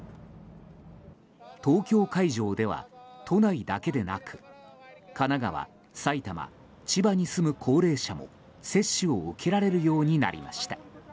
東京会場では都内だけでなく神奈川、埼玉、千葉に住む高齢者も接種を受けられるようになりました。